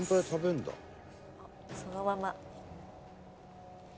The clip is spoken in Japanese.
そのまま。